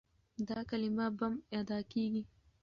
دا کلمه بم ادا کېږي.